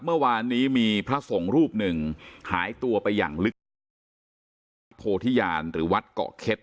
เมื่อวานนี้มีพระสงฆ์รูปหนึ่งหายตัวไปอย่างลึกซึ้งที่วัดโพธิญาณหรือวัดเกาะเข็ด